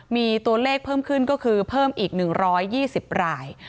มีตัวเลขเพิ่มขึ้นก็คือเพิ่มอีก๑๒๐ราย